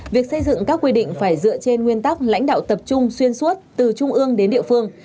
việc xây dựng các quy định phải dựa trên nguyên tắc lãnh đạo tập trung xuyên suốt từ trung ương đến địa phương